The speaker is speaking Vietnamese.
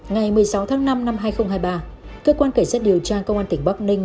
ngày một mươi sáu tháng năm năm hai nghìn hai mươi ba cơ quan cảnh sát điều tra công an tỉnh bắc ninh